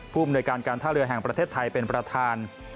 ภูมิในการการท่าเรือแห่งประเทศไทยเป็นประธาน